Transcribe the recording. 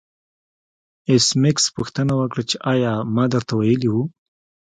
ایس میکس پوښتنه وکړه چې ایا ما درته ویلي وو